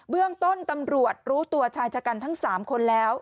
เรื่องต้นตำรวจรู้ตัวชายชะกันทั้ง๓คนแล้ว